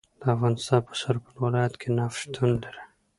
د افغانستان په سرپل ولایت کې نفت شتون لري